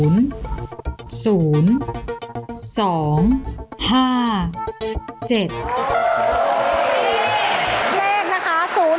เลขนะคะ๐๐๒๕๗